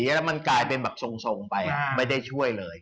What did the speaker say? แล้วมันกลายเป็นแบบทรงไปไม่ได้ช่วยเลย